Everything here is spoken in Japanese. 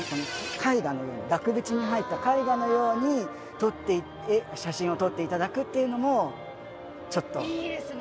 絵画のように額縁に入った絵画のように撮って写真を撮っていただくっていうのもちょっといいですね